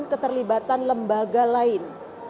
keterlibatan lembaga lain